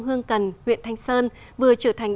hương cần huyện thanh sơn vừa trở thành